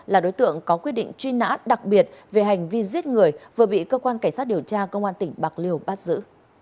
là đối tượng có quyết định truy nã đặc biệt về hành vi giết người vừa bị cơ quan cảnh sát điều tra công an tỉnh bạc liêu bắt giữ